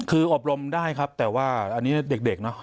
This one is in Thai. คืออบรมได้ครับแต่ว่าอันนี้เด็กเนอะ